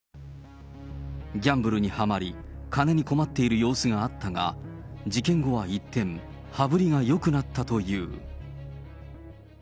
ギャンブルにはまり、金に困っている様子があったが、事件後は一転、羽振りがよくなったという。